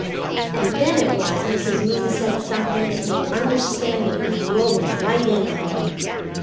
And then it was Mrs. Moon said something that made understanding come rolling right in on me.